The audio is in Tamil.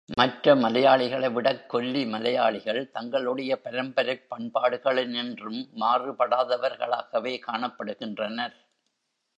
மற்ற மலையாளிகளைவிடக் கொல்லி மலையாளிகள் தங்களுடைய பரம்பரைப் பண்பாடுகளினின்றும் மாறு படாதவர்களாகவே காணப்படுகின்றனர்.